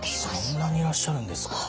そんなにいらっしゃるんですか。